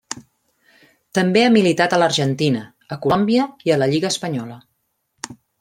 També ha militat a l'Argentina, a Colòmbia i a la lliga espanyola.